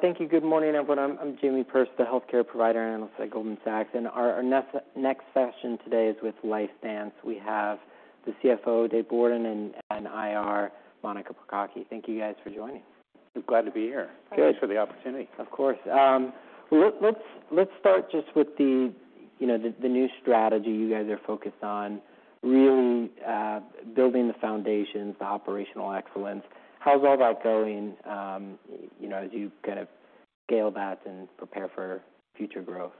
Thank you. Good morning, everyone. I'm Jamie Perse, the healthcare provider analyst at Goldman Sachs, and our next session today is with LifeStance. We have the CFO, Dave Bourdon, and IR, Monica Prokocki. Thank you guys for joining. We're glad to be here. Good. Thanks for the opportunity. Of course. Well, let's start just with the, you know, the new strategy you guys are focused on, really building the foundations, the operational excellence. How's all that going, you know, as you kind of scale that and prepare for future growth?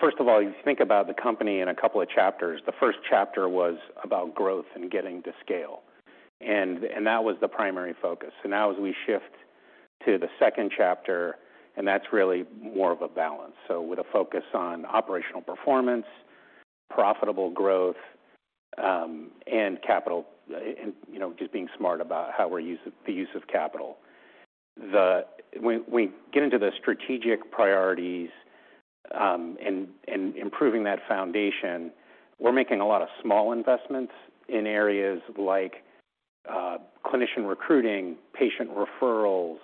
First of all, you think about the company in a couple of chapters. The first chapter was about growth and getting to scale, and that was the primary focus. Now as we shift to the second chapter, and that's really more of a balance. With a focus on operational performance, profitable growth, and capital, and, you know, just being smart about how the use of capital. When we get into the strategic priorities, and improving that foundation, we're making a lot of small investments in areas like clinician recruiting, patient referrals,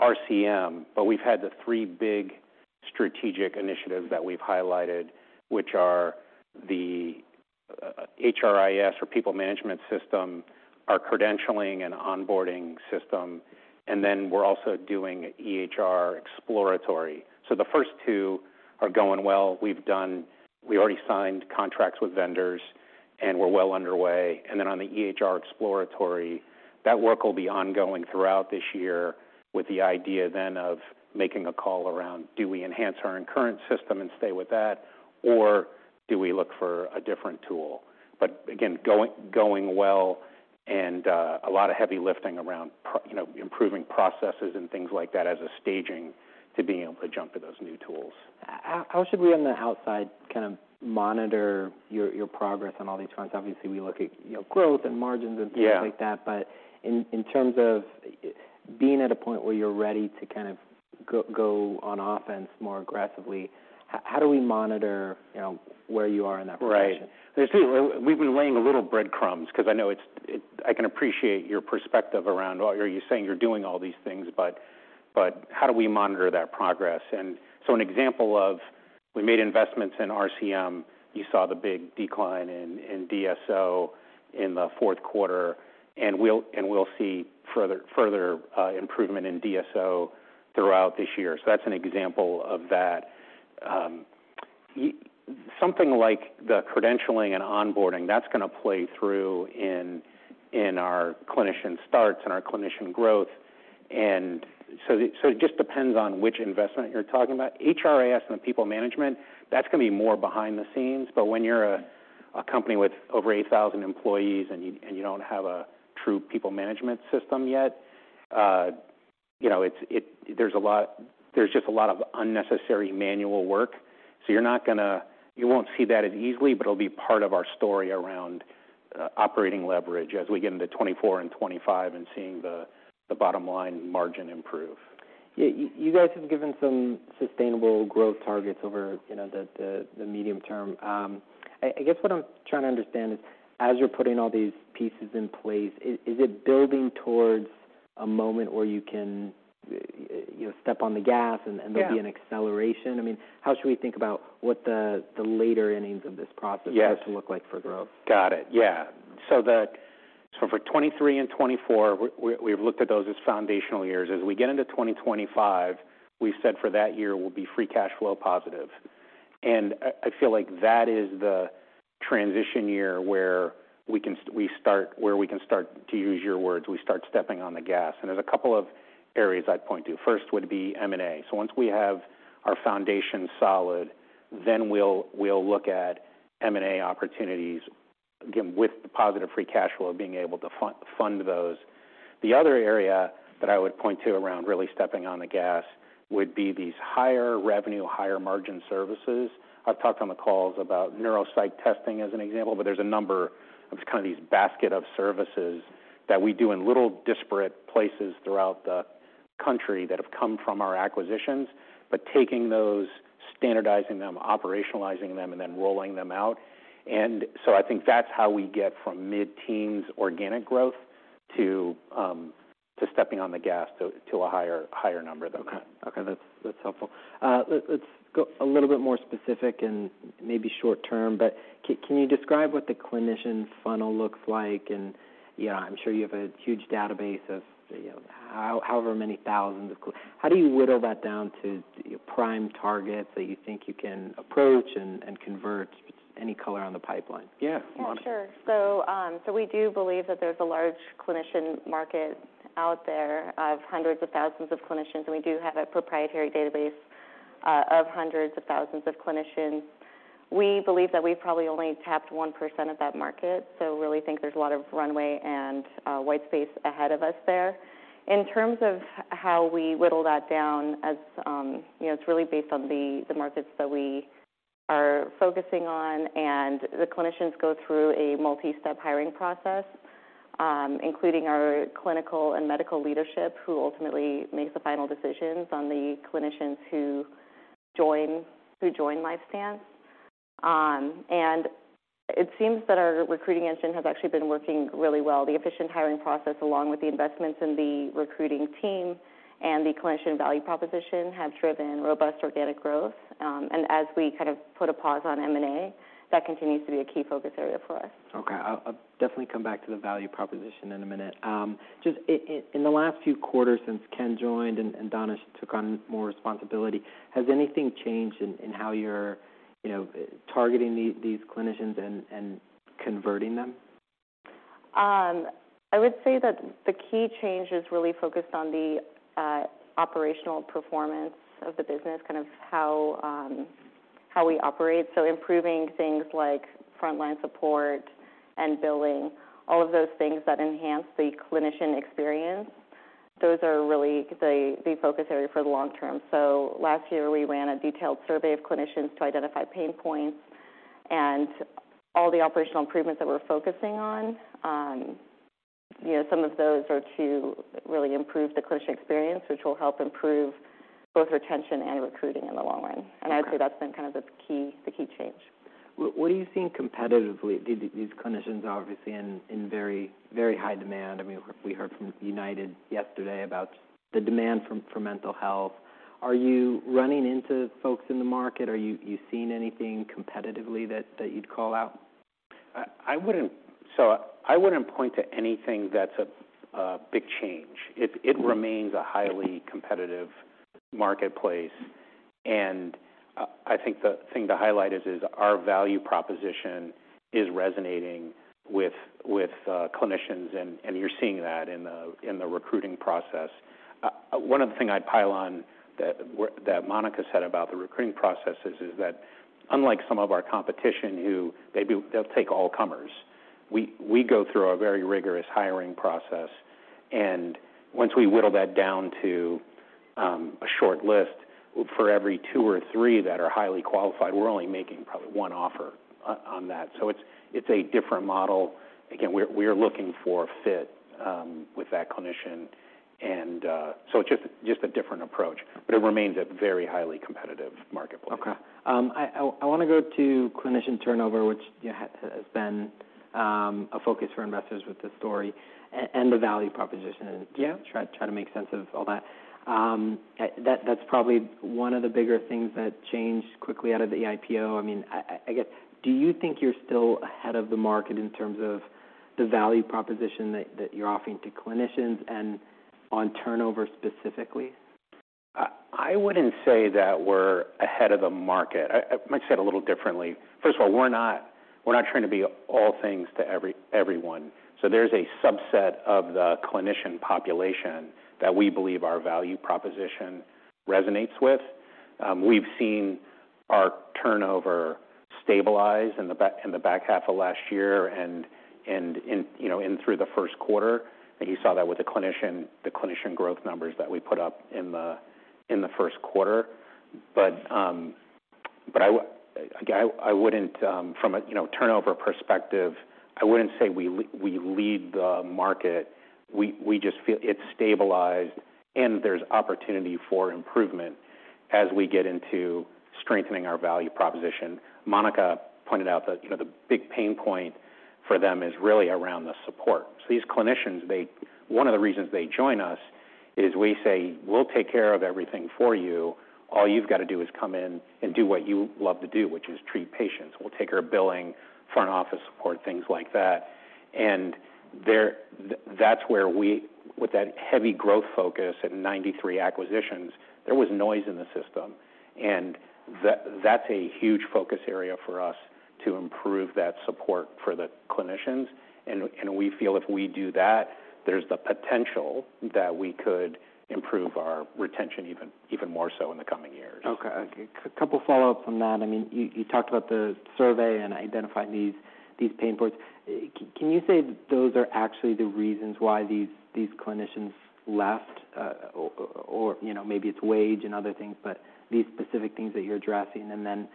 RCM, but we've had the 3 big strategic initiatives that we've highlighted, which are the HRIS or people management system, our credentialing and onboarding system, and we're also doing EHR exploratory. The first two are going well. We already signed contracts with vendors, and we're well underway. On the EHR exploratory, that work will be ongoing throughout this year, with the idea then of making a call around: Do we enhance our current system and stay with that, or do we look for a different tool? Again, going well and a lot of heavy lifting around You know, improving processes and things like that as a staging to being able to jump to those new tools. How should we on the outside kind of monitor your progress on all these fronts? Obviously, we look at, you know, growth and margins. Yeah Things like that. In terms of being at a point where you're ready to kind of go on offense more aggressively, how do we monitor, you know, where you are in that progression? Right. We've been laying a little breadcrumbs because I know it's, I can appreciate your perspective around, "Well, you're saying you're doing all these things, but how do we monitor that progress?" An example of, we made investments in RCM. You saw the big decline in DSO in the fourth quarter, and we'll see further improvement in DSO throughout this year. That's an example of that. Something like the credentialing and onboarding, that's gonna play through in our clinician starts and our clinician growth. It just depends on which investment you're talking about. HRIS and the people management, that's gonna be more behind the scenes, but when you're a company with over 8,000 employees and you don't have a true people management system yet, you know, it's. There's just a lot of unnecessary manual work. You won't see that as easily, but it'll be part of our story around operating leverage as we get into 2024 and 2025 and seeing the bottom line margin improve. Yeah. You guys have given some sustainable growth targets over, you know, the medium term. I guess what I'm trying to understand is, as you're putting all these pieces in place, is it building towards a moment where you can, you know, step on the gas- Yeah There be an acceleration? I mean, how should we think about what the later innings of this process- Yes look like for growth? Got it. Yeah. For 2023 and 2024, we've looked at those as foundational years. As we get into 2025, we've said for that year we'll be free cash flow positive. I feel like that is the transition year where we can start, to use your words, we start stepping on the gas. There's a couple of areas I'd point to. First would be M&A. Once we have our foundation solid, then we'll look at M&A opportunities, again, with the positive free cash flow, being able to fund those. The other area that I would point to around really stepping on the gas would be these higher revenue, higher margin services. I've talked on the calls about Neuropsychological Testing as an example, but there's a number of kind of these basket of services that we do in little disparate places throughout the country that have come from our acquisitions, but taking those, standardizing them, operationalizing them, and then rolling them out. I think that's how we get from mid-teens organic growth to stepping on the gas to a higher number. Okay. Okay, that's helpful. Let's go a little bit more specific and maybe short term, but can you describe what the clinician funnel looks like? Yeah, I'm sure you have a huge database of, you know, however many thousands of how do you whittle that down to your prime targets that you think you can approach and convert? Any color on the pipeline? Yeah. Yeah, sure. We do believe that there's a large clinician market out there of hundreds of thousands of clinicians, and we do have a proprietary database of hundreds of thousands of clinicians. We believe that we've probably only tapped 1% of that market, so really think there's a lot of runway and white space ahead of us there. In terms of how we whittle that down, as, you know, it's really based on the markets that we are focusing on, and the clinicians go through a multi-step hiring process, including our clinical and medical leadership, who ultimately makes the final decisions on the clinicians who join LifeStance. It seems that our recruiting engine has actually been working really well. The efficient hiring process, along with the investments in the recruiting team and the clinician value proposition, have driven robust organic growth. As we kind of put a pause on M&A, that continues to be a key focus area for us. Okay, I'll definitely come back to the value proposition in a minute. Just in the last few quarters since Ken joined and Danish took on more responsibility, has anything changed in how you're, you know, targeting these clinicians and converting them? I would say that the key change is really focused on the operational performance of the business, kind of how we operate. Improving things like frontline support and billing, all of those things that enhance the clinician experience, those are really the focus area for the long term. Last year, we ran a detailed survey of clinicians to identify pain points and all the operational improvements that we're focusing on. You know, some of those are to really improve the clinician experience, which will help improve both retention and recruiting in the long run. Okay. I would say that's been kind of the key change. What are you seeing competitively? These clinicians are obviously in very, very high demand. I mean, we heard from United yesterday about the demand for mental health. Are you running into folks in the market? Are you seeing anything competitively that you'd call out? I wouldn't point to anything that's a big change. Okay. It, it remains a highly competitive marketplace, and I think the thing to highlight is our value proposition is resonating with, clinicians, and you're seeing that in the, in the recruiting process. One other thing I'd pile on that Monica said about the recruiting processes is that unlike some of our competition, who they do... they'll take all comers, we go through a very rigorous hiring process, and once we whittle that down to, a short list, for every 2 or 3 that are highly qualified, we're only making probably 1 offer on that. It's, it's a different model. Again, we're looking for fit, with that clinician, and, it's just a different approach, but it remains a very highly competitive marketplace. Okay. I wanna go to clinician turnover, which, yeah, has been a focus for investors with the story and the value proposition. Yeah. Try to make sense of all that. That's probably one of the bigger things that changed quickly out of the IPO. I mean, I guess, do you think you're still ahead of the market in terms of the value proposition that you're offering to clinicians and on turnover specifically? I wouldn't say that we're ahead of the market. I might say it a little differently. First of all, we're not trying to be all things to everyone. There's a subset of the clinician population that we believe our value proposition resonates with. We've seen our turnover stabilize in the back half of last year, and in, you know, through the first quarter, and you saw that with the clinician growth numbers that we put up in the first quarter. again, I wouldn't, from a, you know, turnover perspective, I wouldn't say we lead the market. We just feel it's stabilized, and there's opportunity for improvement as we get into strengthening our value proposition. Monica pointed out that, you know, the big pain point for them is really around the support. These clinicians, one of the reasons they join us is we say: We'll take care of everything for you. All you've got to do is come in and do what you love to do, which is treat patients. We'll take care of billing, front office support, things like that. There, that's where we, with that heavy growth focus and 93 acquisitions, there was noise in the system, and that's a huge focus area for us to improve that support for the clinicians. We feel if we do that, there's the potential that we could improve our retention even more so in the coming years. Okay. A couple follow-ups from that. I mean, you talked about the survey and identified these pain points. can you say those are actually the reasons why these clinicians left? or, you know, maybe it's wage and other things, but these specific things that you're addressing. Then,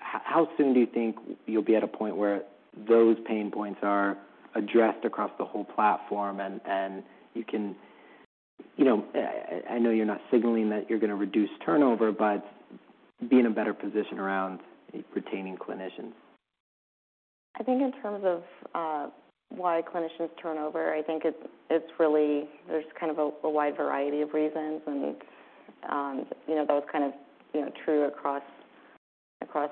how soon do you think you'll be at a point where those pain points are addressed across the whole platform, and you can... You know, I know you're not signaling that you're going to reduce turnover, but be in a better position around retaining clinicians. I think in terms of, why clinicians turnover, I think it's really there's kind of a wide variety of reasons, and, you know, that was kind of, you know, true across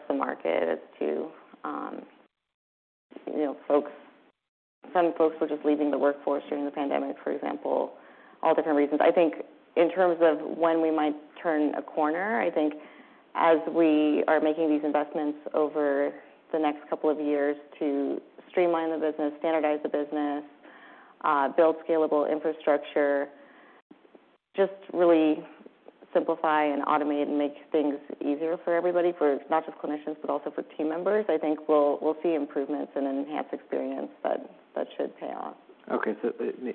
the market to, you know, folks. Some folks were just leaving the workforce during the pandemic, for example, all different reasons. I think in terms of when we might turn a corner, I think as we are making these investments over the next couple of years to streamline the business, standardize the business, build scalable infrastructure, just really simplify and automate and make things easier for everybody, for not just clinicians, but also for team members, I think we'll see improvements and enhanced experience that should pay off. Okay.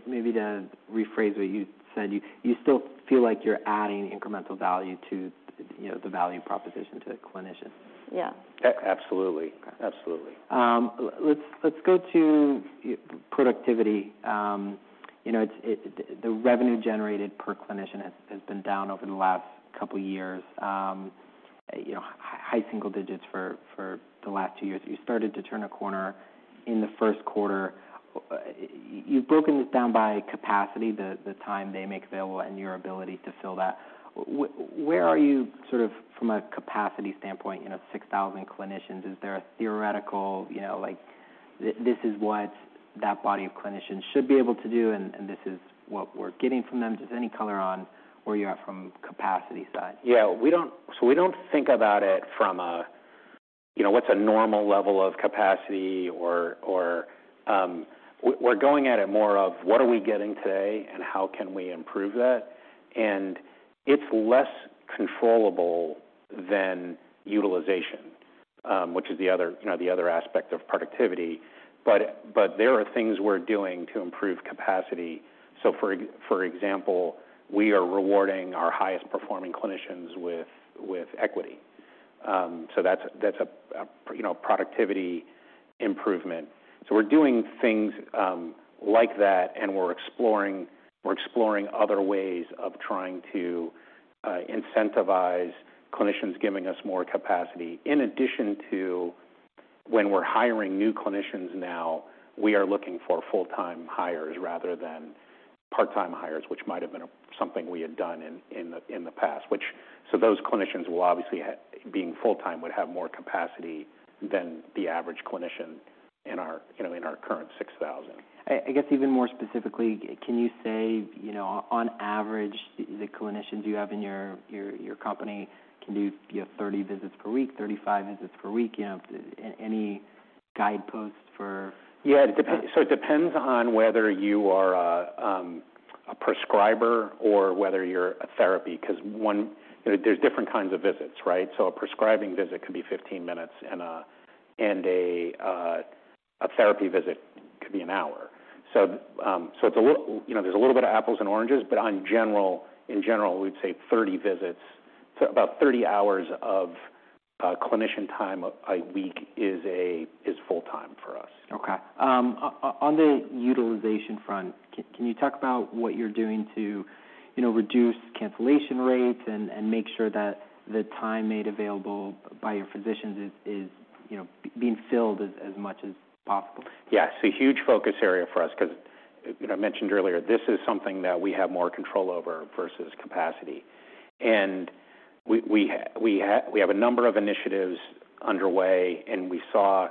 Maybe, Danish, rephrase what you said. You still feel like you're adding incremental value to, you know, the value proposition to the clinicians? Yeah. Absolutely. Okay. Absolutely. Let's, let's go to productivity. You know, it's, it, the revenue generated per clinician has been down over the last couple years, you know, high single digits for the last two years. You started to turn a corner in the first quarter. You've broken this down by capacity, the time they make available and your ability to fill that. Where are you, sort of, from a capacity standpoint, you know, 6,000 clinicians, is there a theoretical, you know, like, this is what that body of clinicians should be able to do, and this is what we're getting from them? Just any color on where you're at from capacity side? Yeah. We don't think about it from a, you know, what's a normal level of capacity or we're going at it more of what are we getting today, and how can we improve that? It's less controllable than utilization, which is the other, you know, the other aspect of productivity. There are things we're doing to improve capacity. For example, we are rewarding our highest performing clinicians with equity, so that's a, you know, productivity improvement. We're doing things, like that, and we're exploring other ways of trying to incentivize clinicians giving us more capacity, in addition to when we're hiring new clinicians now, we are looking for full-time hires rather than part-time hires, which might have been something we had done in the past, so those clinicians will obviously, being full-time, would have more capacity than the average clinician in our, you know, in our current 6,000. I guess even more specifically, can you say, you know, on average, the clinicians you have in your company can do, you know, 30 visits per week, 35 visits per week, you know, any guideposts? Yeah, it depends. It depends on whether you are a prescriber or whether you're a therapy, 'cause there's different kinds of visits, right? A prescribing visit can be 15 minutes, and a therapy visit could be 1 hour. It's a little, you know, there's a little bit of apples and oranges, but in general, we'd say 30 visits, so about 30 hours of clinician time a week is full time for us. On the utilization front, can you talk about what you're doing to, you know, reduce cancellation rates and make sure that the time made available by your physicians is, you know, being filled as much as possible? Yes, a huge focus area for us, 'cause, you know, I mentioned earlier, this is something that we have more control over versus capacity. We have a number of initiatives underway, and we saw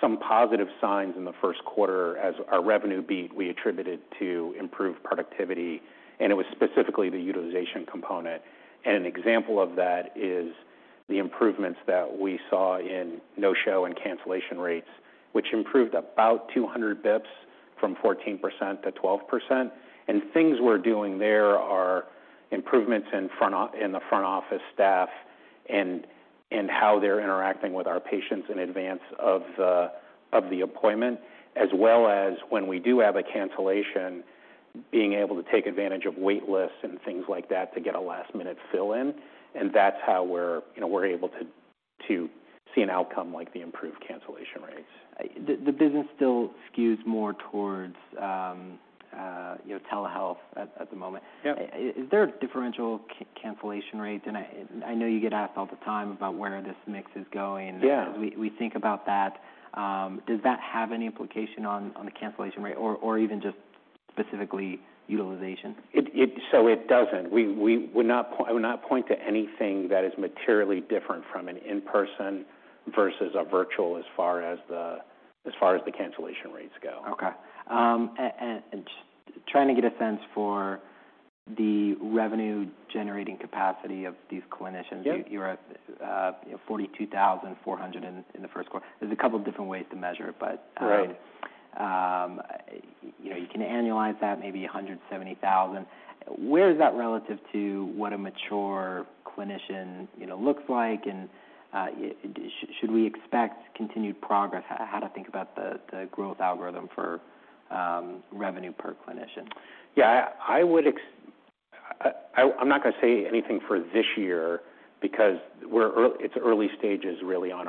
some positive signs in the first quarter as our revenue beat, we attributed to improved productivity, and it was specifically the utilization component. An example of that is the improvements that we saw in no-show and cancellation rates, which improved about 200 bips from 14% to 12%. Things we're doing there are improvements in the front office staff and how they're interacting with our patients in advance of the appointment, as well as when we do have a cancellation, being able to take advantage of wait lists and things like that to get a last-minute fill-in. That's how we're, you know, we're able to see an outcome like the improved cancellation rates. The business still skews more towards, you know, telehealth at the moment. Yep. Is there a differential cancellation rate? I know you get asked all the time about where this mix is going. Yeah. We think about that. Does that have any implication on the cancellation rate or even just specifically utilization? It doesn't. We would not point, I would not point to anything that is materially different from an in-person versus a virtual as far as the cancellation rates go. Okay. And trying to get a sense for the revenue-generating capacity of these clinicians. Yep. You are at 42,400 in the first quarter. There's a couple different ways to measure it. Right. You know, you can annualize that, maybe $170,000. Where is that relative to what a mature clinician, you know, looks like? Should we expect continued progress? How to think about the growth algorithm for revenue per clinician? Yeah, I'm not going to say anything for this year because it's early stages, really, on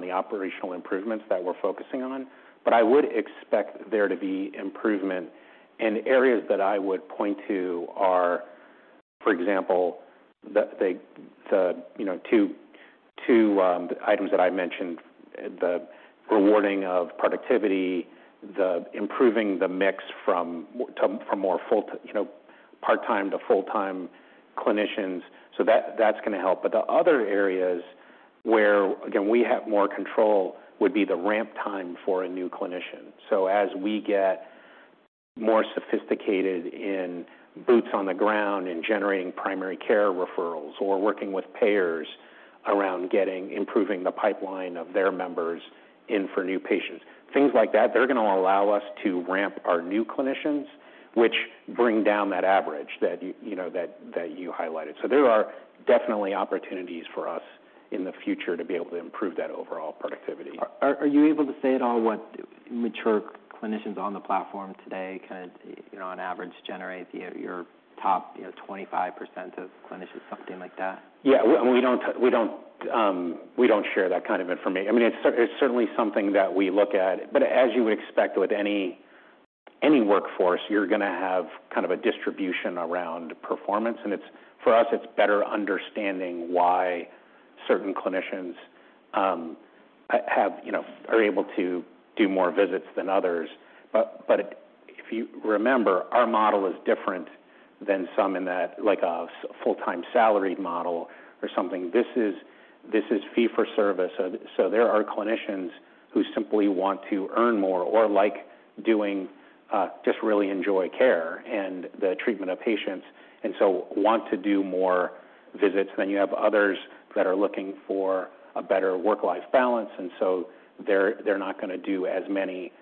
the operational improvements that we're focusing on. I would expect there to be improvement, and areas that I would point to are, for example, the, you know, two items that I mentioned, the rewarding of productivity, the improving the mix from, to, from more full you know, part-time to full-time clinicians. That's going to help. The other areas where, again, we have more control would be the ramp time for a new clinician. As we get more sophisticated in boots on the ground in generating primary care referrals or working with payers around getting improving the pipeline of their members in for new patients, things like that, they're going to allow us to ramp our new clinicians, which bring down that average that you know, that you highlighted. There are definitely opportunities for us in the future to be able to improve that overall productivity. Are you able to say at all what mature clinicians on the platform today kind of, you know, on average, generate, your top, you know, 25% of clinicians, something like that? Yeah, we don't share that kind of information. I mean, it's certainly something that we look at, but as you would expect with any workforce, you're gonna have kind of a distribution around performance, and it's, for us, it's better understanding why certain clinicians have, you know, are able to do more visits than others. If you remember, our model is different than some in that, like a full-time salaried model or something. This is fee-for-service. There are clinicians who simply want to earn more or like doing, just really enjoy care and the treatment of patients, and so want to do more visits. You have others that are looking for a better work-life balance, and so they're not gonna do as many.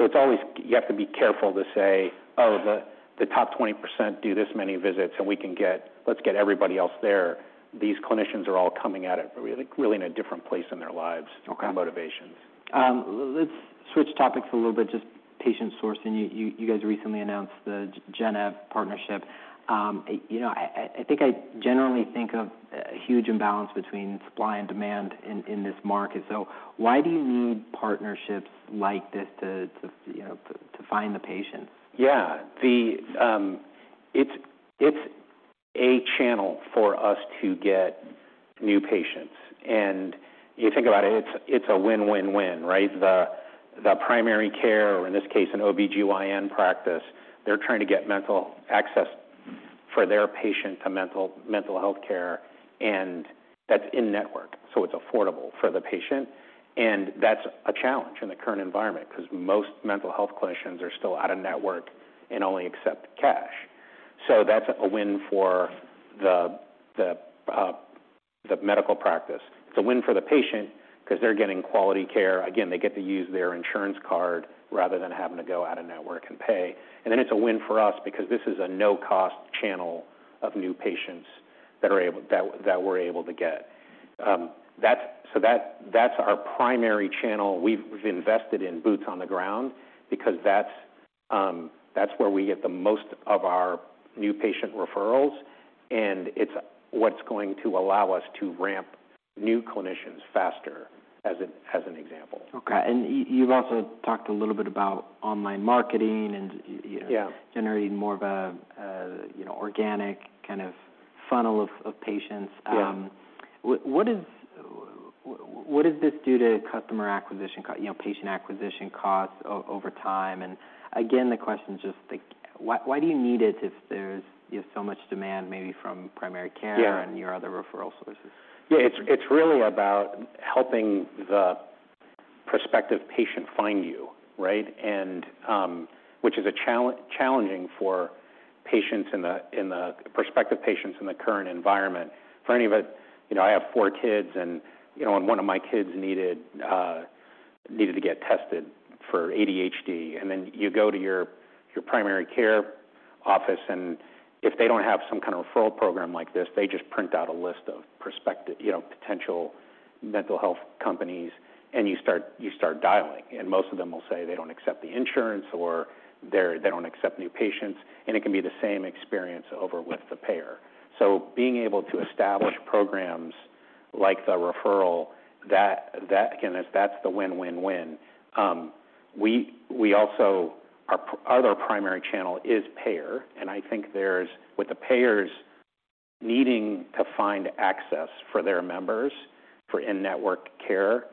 It's always, you have to be careful to say, "Oh, the top 20% do this many visits, let's get everybody else there." These clinicians are all coming at it really in a different place in their lives. Okay. and motivations. Let's switch topics a little bit, just patient sourcing. You guys recently announced the Gennev partnership. You know, I think I generally think of a huge imbalance between supply and demand in this market. Why do you need partnerships like this to, you know, to find the patients? Yeah. The, it's a channel for us to get new patients, you think about it's, it's a win-win-win, right? The primary care, or in this case, an OBGYN practice, they're trying to get mental access for their patient to mental health care, that's in-network, it's affordable for the patient. That's a challenge in the current environment, 'cause most mental health clinicians are still out-of-network and only accept cash. That's a win for the medical practice. It's a win for the patient 'cause they're getting quality care. Again, they get to use their insurance card rather than having to go out-of-network and pay. It's a win for us because this is a no-cost channel of new patients that we're able to get. That's our primary channel. We've invested in boots on the ground because that's where we get the most of our new patient referrals, and it's what's going to allow us to ramp new clinicians faster, as an example. Okay. You've also talked a little bit about online marketing and, you know. Yeah... generating more of a, you know, organic kind of funnel of patients. Yeah. What does this do to customer acquisition cost, you know, patient acquisition costs over time? Again, the question is just like, why do you need it if there's, you have so much demand, maybe from primary care... Yeah your other referral sources? Yeah, it's really about helping the prospective patient find you, right? Which is challenging for prospective patients in the current environment. For any of it... You know, I have 4 kids and one of my kids needed to get tested for ADHD. You go to your primary care office, if they don't have some kind of referral program like this, they just print out a list of prospective potential mental health companies. You start dialing, most of them will say they don't accept the insurance or they don't accept new patients. It can be the same experience over with the payer. Being able to establish programs like the referral, that, again, that's the win-win-win. We also, our other primary channel is payer. I think there's, with the payers needing to find access for their members for in-network care,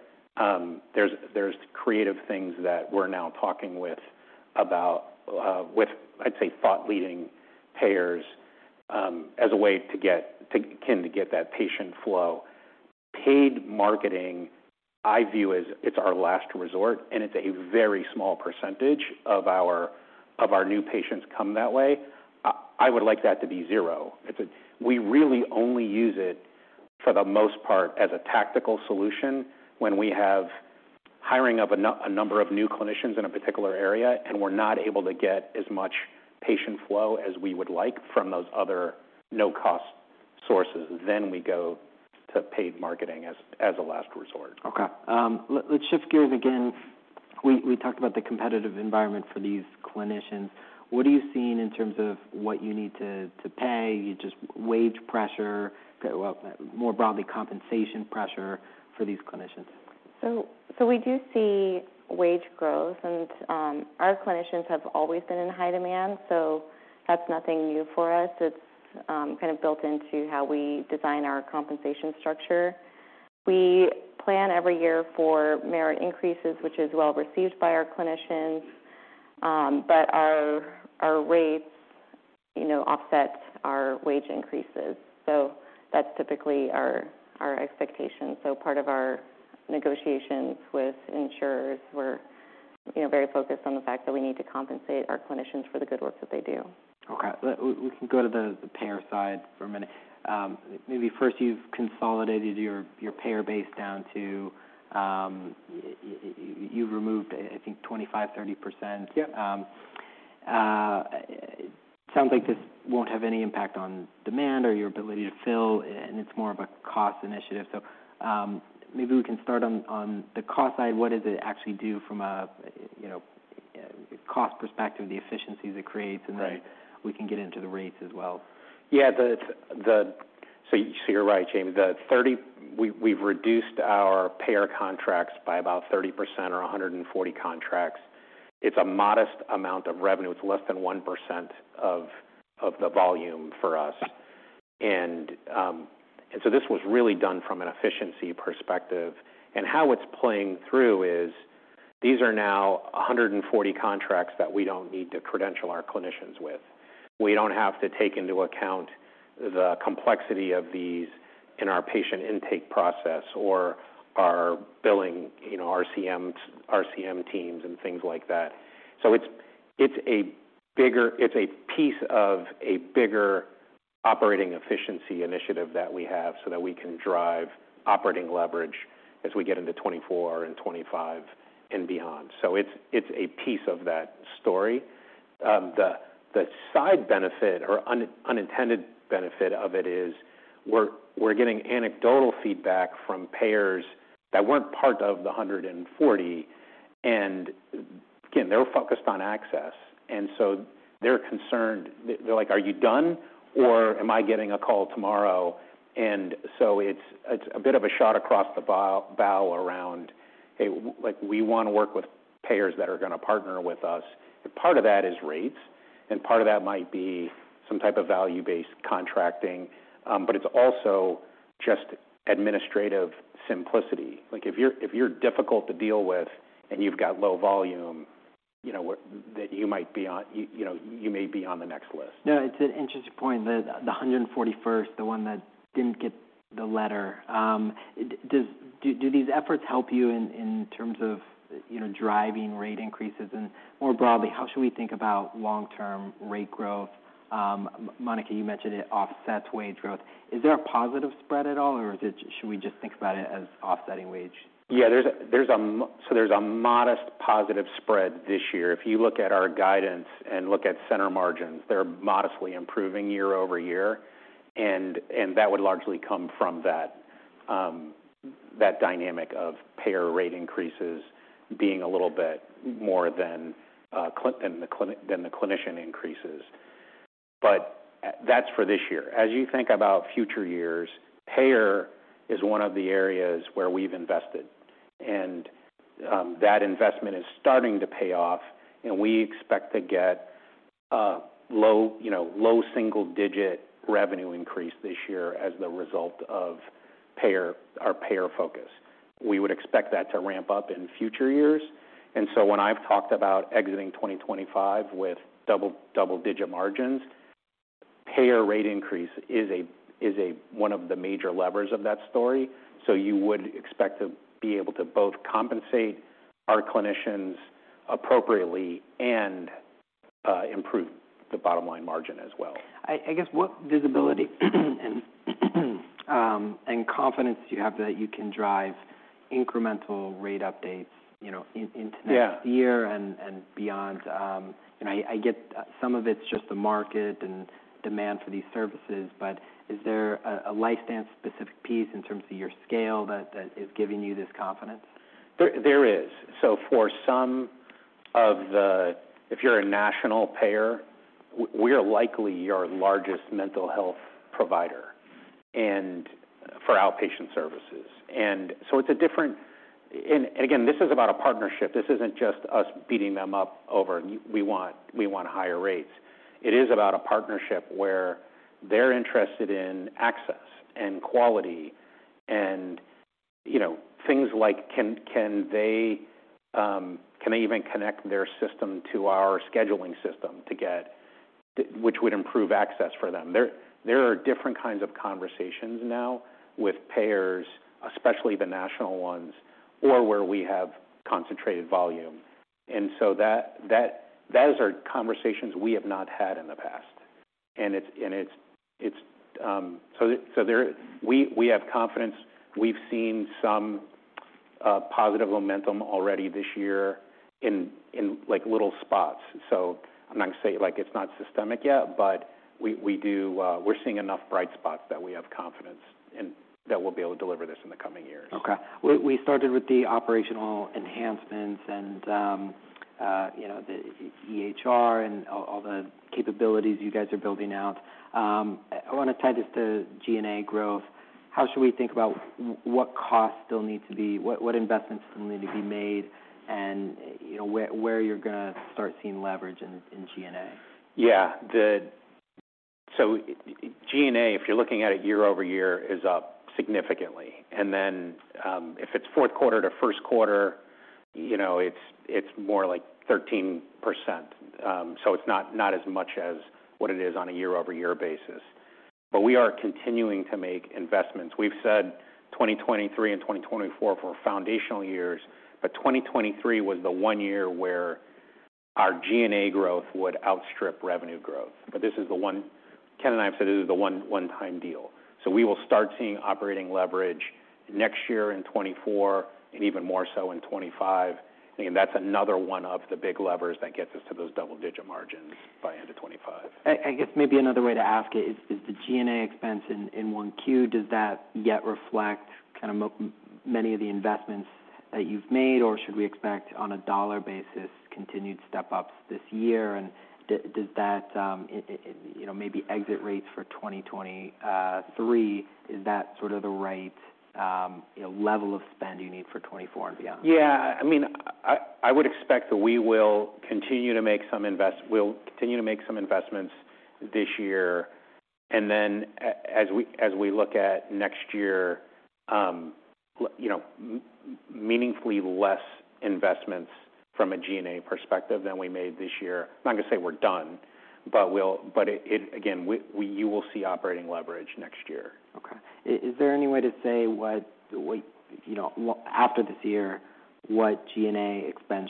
there's creative things that we're now talking with about, with, I'd say, thought-leading payers, as a way to get that patient flow. Paid marketing, I view as it's our last resort. It's a very small percentage of our new patients come that way. I would like that to be zero. We really only use it, for the most part, as a tactical solution when we have hiring of a number of new clinicians in a particular area. We're not able to get as much patient flow as we would like from those other no-cost sources. We go to paid marketing as a last resort. Okay. let's shift gears again. We talked about the competitive environment for these clinicians. What are you seeing in terms of what you need to pay, just wage pressure, well, more broadly, compensation pressure for these clinicians? We do see wage growth, and our clinicians have always been in high demand, so that's nothing new for us. It's kind of built into how we design our compensation structure. We plan every year for merit increases, which is well received by our clinicians, but our rates, you know, offset our wage increases. That's typically our expectation. Part of our negotiations with insurers, we're, you know, very focused on the fact that we need to compensate our clinicians for the good work that they do. Okay. We can go to the payer side for a minute. Maybe first you've consolidated your payer base down to, you removed, I think, 25%, 30%. Yep. It sounds like this won't have any impact on demand or your ability to fill, and it's more of a cost initiative. Maybe we can start on the cost side. What does it actually do from a, you know, cost perspective, the efficiencies it creates? Right. We can get into the rates as well. Yeah. You're right, Jamie, we've reduced our payer contracts by about 30% or 140 contracts. It's a modest amount of revenue. It's less than 1% of the volume for us. This was really done from an efficiency perspective. How it's playing through is, these are now 140 contracts that we don't need to credential our clinicians with. We don't have to take into account the complexity of these in our patient intake process or our billing, you know, RCM teams and things like that. It's a piece of a bigger operating efficiency initiative that we have, so that we can drive operating leverage as we get into 2024 and 2025 and beyond. It's a piece of that story. The side benefit, or unintended benefit of it is, we're getting anecdotal feedback from payers that weren't part of the 140. Again, they're focused on access. They're concerned. They're like: "Are you done, or am I getting a call tomorrow?" It's a bit of a shot across the bow around, Hey, like, we wanna work with payers that are gonna partner with us. Part of that is rates, and part of that might be some type of value-based contracting, but it's also just administrative simplicity. Like, if you're, if you're difficult to deal with and you've got low volume, you know, you may be on the next list. It's an interesting point. The 141st, the one that didn't get the letter, do these efforts help you in terms of, you know, driving rate increases? More broadly, how should we think about long-term rate growth? Monica, you mentioned it offsets wage growth. Is there a positive spread at all, or should we just think about it as offsetting wage? There's a modest positive spread this year. If you look at our guidance and look at Center Margin, they're modestly improving year-over-year, and that would largely come from that dynamic of payer rate increases being a little bit more than the clinician increases. That's for this year. As you think about future years, payer is one of the areas where we've invested, and that investment is starting to pay off, and we expect to get a low, you know, low single-digit revenue increase this year as the result of payer, our payer focus. We would expect that to ramp up in future years. When I've talked about exiting 2025 with double-digit margins, payer rate increase is a 1 of the major levers of that story. You would expect to be able to both compensate our clinicians appropriately and improve the bottom line margin as well. I guess, what visibility and confidence do you have that you can drive incremental rate updates, you know, in? Yeah next year and beyond? I get some of it's just the market and demand for these services, but is there a LifeStance-specific piece in terms of your scale that is giving you this confidence? There is. For some of the... If you're a national payer, we are likely your largest mental health provider and for outpatient services. It's a different, and again, this is about a partnership. This isn't just us beating them up over, "We want higher rates." It is about a partnership where they're interested in access and quality and, you know, things like, can they, can they even connect their system to our scheduling system to get. Which would improve access for them? There are different kinds of conversations now with payers, especially the national ones, or where we have concentrated volume, that is our conversations we have not had in the past. It's, so there-- we have confidence. We've seen some positive momentum already this year in, like, little spots. I'm not gonna say, like, it's not systemic yet, but we do. We're seeing enough bright spots that we have confidence and that we'll be able to deliver this in the coming years. Okay. We started with the operational enhancements and, you know, the EHR and all the capabilities you guys are building out. I wanna tie this to G&A growth. How should we think about what costs still need to be, what investments need to be made and, you know, where you're gonna start seeing leverage in G&A? G&A, if you're looking at it year-over-year, is up significantly. If it's fourth quarter to first quarter, you know, it's more like 13%. It's not as much as what it is on a year-over-year basis. We are continuing to make investments. We've said 2023 and 2024 were foundational years, but 2023 was the one year where our G&A growth would outstrip revenue growth. Ken and I have said this is a one-time deal. We will start seeing operating leverage next year in 2024, and even more so in 2025, and that's another one of the big levers that gets us to those double-digit margins by end of 2025. I guess maybe another way to ask it is the G&A expense in 1 Q, does that yet reflect kind of many of the investments that you've made, or should we expect, on a dollar basis, continued step-ups this year? Does that, you know, maybe exit rates for 2023, is that sort of the right, you know, level of spend you need for 2024 and beyond? Yeah, I mean, I would expect that we will continue to make some investments this year, and then as we look at next year, you know, meaningfully less investments from a G&A perspective than we made this year. I'm not gonna say we're done, but it, again, you will see operating leverage next year. Okay. Is there any way to say what, you know, after this year, what G&A expense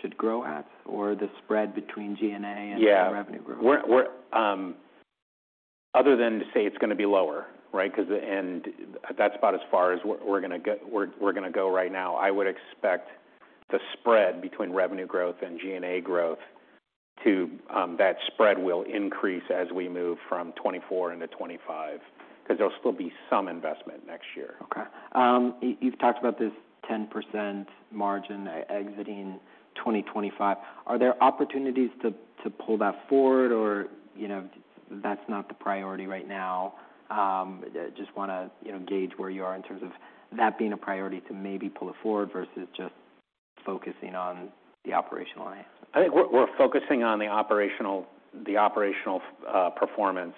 should grow at, or the spread between G&A and... Yeah revenue growth? We're other than to say it's gonna be lower, right? That's about as far as we're gonna go right now. I would expect the spread between revenue growth and G&A growth to that spread will increase as we move from 2024 into 2025, 'cause there'll still be some investment next year. Okay. You've talked about this 10% margin exiting 2025. Are there opportunities to pull that forward or, you know, that's not the priority right now? Just wanna, you know, gauge where you are in terms of that being a priority to maybe pull it forward versus just focusing on the operational areas. I think we're focusing on the operational performance.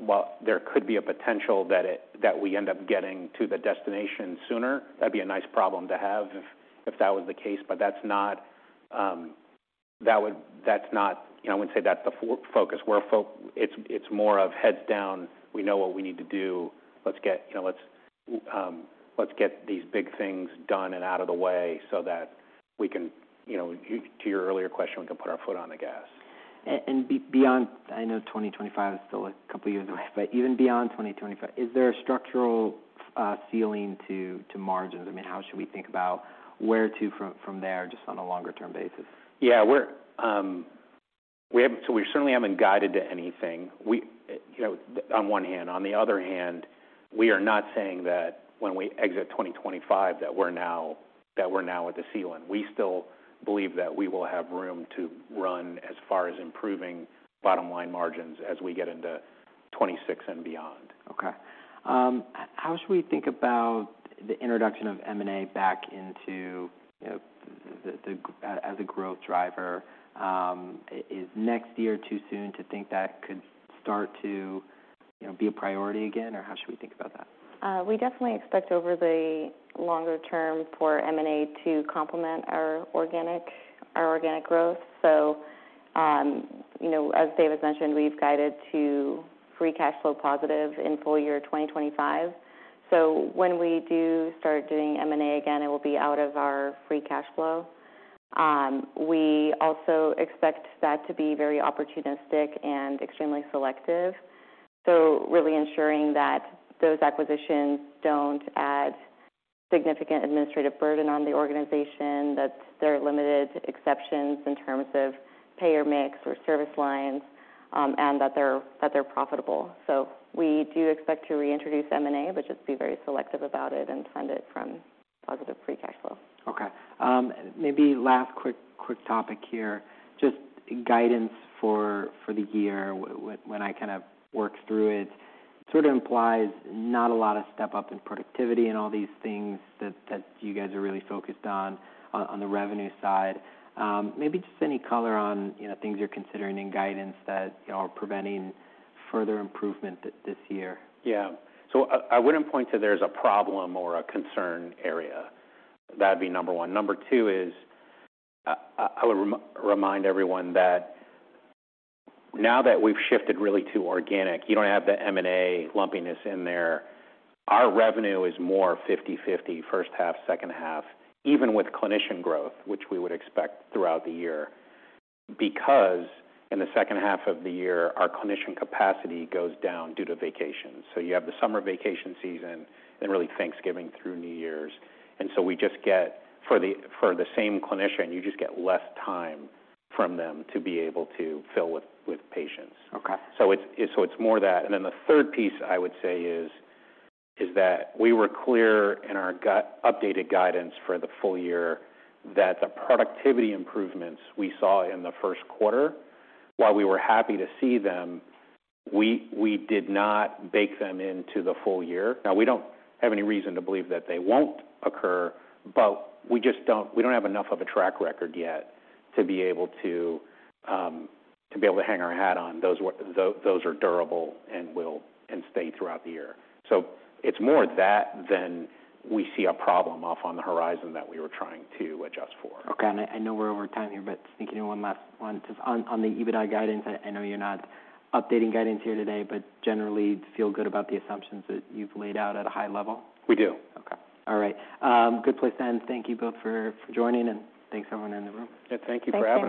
While there could be a potential that we end up getting to the destination sooner, that'd be a nice problem to have if that was the case. That's not... You know, I wouldn't say that's the focus. It's more of heads down, we know what we need to do, let's get, you know, let's get these big things done and out of the way so that we can, you know, to your earlier question, we can put our foot on the gas. beyond, I know 2025 is still a couple of years away, but even beyond 2025, is there a structural ceiling to margins? I mean, how should we think about where to from there, just on a longer-term basis? Yeah, we're, we certainly haven't guided to anything. We, you know, on one hand. On the other hand, we are not saying that when we exit 2025, that we're now at the ceiling. We still believe that we will have room to run as far as improving bottom line margins as we get into 2026 and beyond. Okay. How should we think about the introduction of M&A back into, you know, the, as a growth driver? Is next year too soon to think that could start to, you know, be a priority again, or how should we think about that? We definitely expect over the longer term for M&A to complement our organic growth. you know, as Dave mentioned, we've guided to free cash flow positive in full year 2025. When we do start doing M&A again, it will be out of our free cash flow. We also expect that to be very opportunistic and extremely selective, so really ensuring that those acquisitions don't add significant administrative burden on the organization, that there are limited exceptions in terms of payer mix or service lines, and that they're profitable. We do expect to reintroduce M&A, but just be very selective about it and fund it from positive free cash flow. Okay. Maybe last quick topic here. Just guidance for the year. When I kind of work through it, sort of implies not a lot of step-up in productivity and all these things that you guys are really focused on the revenue side. Maybe just any color on, you know, things you're considering in guidance that, you know, are preventing further improvement this year. Yeah. I wouldn't point to there's a problem or a concern area. That'd be number 1. Number 2 is, I would remind everyone that now that we've shifted really to organic, you don't have the M&A lumpiness in there. Our revenue is more 50/50, first half, second half, even with clinician growth, which we would expect throughout the year, because in the second half of the year, our clinician capacity goes down due to vacations. You have the summer vacation season and really Thanksgiving through New Year's, and so we just get for the same clinician, you just get less time from them to be able to fill with patients. Okay. It's more that. The third piece I would say is that we were clear in our updated guidance for the full year, that the productivity improvements we saw in the first quarter, while we were happy to see them, we did not bake them into the full year. We don't have any reason to believe that they won't occur, but we just don't have enough of a track record yet to be able to be able to hang our hat on. Those are durable and will and stay throughout the year. It's more that than we see a problem off on the horizon that we were trying to adjust for. Okay. I know we're over time here, thinking of one last one. Just on the EBITDA guidance, I know you're not updating guidance here today, generally feel good about the assumptions that you've laid out at a high level? We do. Okay. All right. Good place to end. Thank you both for joining, and thanks everyone in the room. Yeah, thank you for having us.